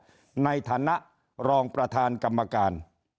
พบธรรมในฐานะรองประธานกรรมการ